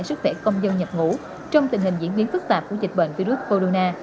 sức khỏe công dân nhập ngủ trong tình hình diễn biến phức tạp của dịch bệnh virus corona